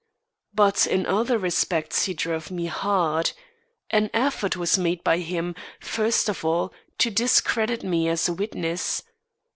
But in other respects he drove me hard. An effort was made by him, first of all, to discredit me as a witness.